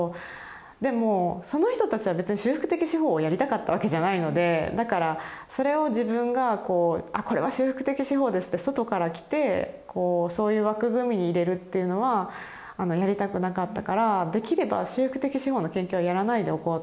でもその人たちは別に修復的司法をやりたかったわけじゃないのでだからそれを自分があこれは修復的司法ですって外から来てそういう枠組みに入れるっていうのはやりたくなかったからできれば修復的司法の研究はやらないでおこうと。